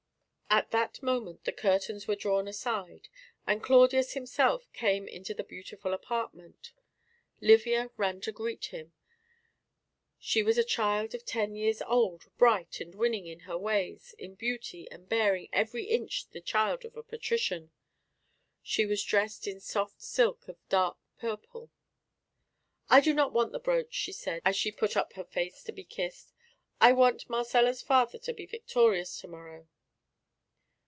At that moment the curtains were drawn aside, and Claudius himself came into the beautiful apartment. Livia ran to greet him; she was a child of ten years old, bright and winning in her ways, in beauty and bearing every inch the child of a patrician. She was dressed in soft silk of dark purple. "I do not want the brooch," she said, as she put up her face to be kissed. "I want Marcella's father to be victorious to morrow."